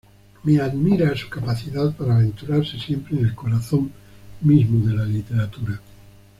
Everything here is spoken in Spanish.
Me admira su capacidad para aventurarse siempre en el corazón mismo de la literatura".